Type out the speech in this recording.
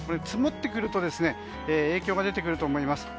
積もってくると影響が出てくると思います。